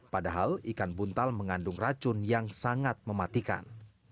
padahal ikan buntal mengandung racun yang sangat mematikan